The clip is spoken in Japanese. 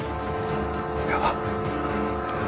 いや。